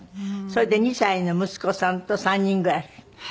それで２歳の息子さんと３人暮らし。